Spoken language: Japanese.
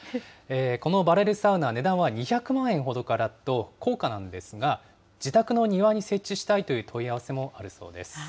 このバレルサウナ、値段は２００万円ほどからと高価なんですが、自宅の庭に設置したいという問い合わせもあるそうです。